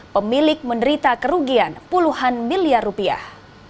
pemilik menderita kerugian puluhan miliar rupiah